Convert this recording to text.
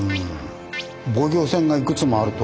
防御線がいくつもあると。